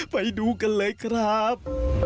ไปดูกันเลยครับ